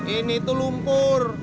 ini tuh lumpur